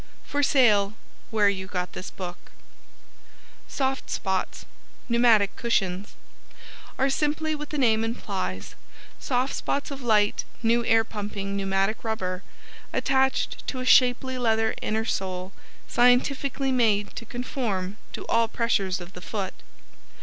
FOR SALE WHERE YOU GOT THIS BOOK "SOFT SPOTS" PNEUMATIC CUSHIONS Are simply what the name implies; "SOFT SPOTS" of light new air pumping, pneumatic rubber, attached to a shapely leather innersole scientifically made to conform to all pressure of the foot.